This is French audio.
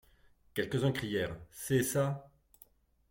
Quelques-uns crièrent: — C’est ça!...